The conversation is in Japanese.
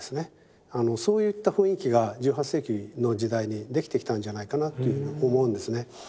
そういった雰囲気が１８世紀の時代にできてきたんじゃないかなというふうに思うんですね。